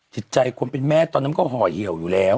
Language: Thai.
จิตใจคนเป็นแม่ตอนนั้นก็ห่อเหี่ยวอยู่แล้ว